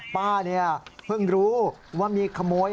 ป้าเนี่ยเพิ่งรู้ว่ามีขโมย